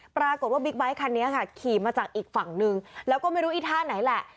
บิ๊กไบท์คันนี้ค่ะขี่มาจากอีกฝั่งนึงแล้วก็ไม่รู้อีท่าไหนแหละ